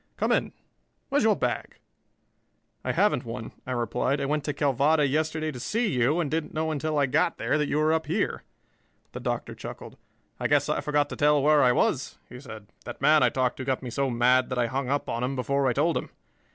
Come in. Where's your bag?" "I haven't one," I replied. "I went to Calvada yesterday to see you, and didn't know until I got there that you were up here." The Doctor chuckled. "I guess I forgot to tell where I was," he said. "That man I talked to got me so mad that I hung up on him before I told him.